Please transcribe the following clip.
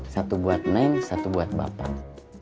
satu buat neng satu buat bapak